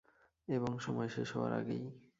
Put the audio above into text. এবং সময় শেষ হওয়ার আগেই।